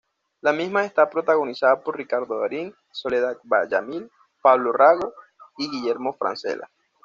La misma está protagonizada por Ricardo Darín, Soledad Villamil, Pablo Rago y Guillermo Francella.